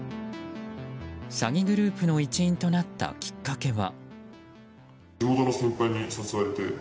詐欺グループの一員となったきっかけは。